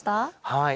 はい。